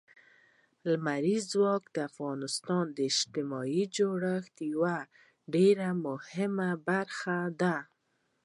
لمریز ځواک د افغانستان د اجتماعي جوړښت یوه ډېره مهمه برخه ده.